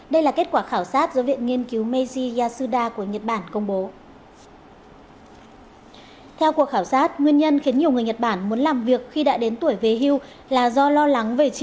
đây là kết quả khảo sát do viện nghiên cứu meiji yasuda của nhật bản